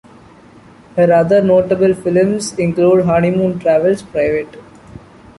Her other notable films include Honeymoon Travels Pvt.